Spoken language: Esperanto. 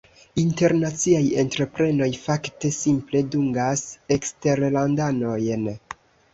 internaciaj entreprenoj- fakte simple dungas eksterlandanojn.